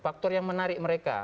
faktor yang menarik mereka